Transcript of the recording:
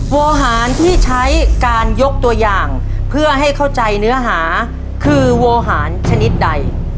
โวหารที่ใช้การยกตัวอย่างเพื่อให้เข้าใจเนื้อหาคือโวหารชนิดใด